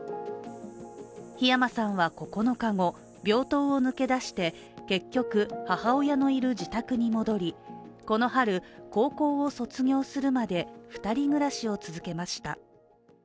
火山さんは、９日後、病棟を抜け出して結局、母親のいる自宅に戻りこの春、高校を卒業するまで２人暮らしを続けました。